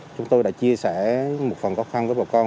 chúng tôi đã chia sẻ một phần khó khăn với bà con